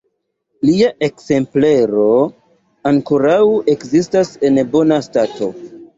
Lia ekzemplero ankoraŭ ekzistas en bona stato.